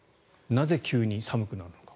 なぜ急に寒くなるのか。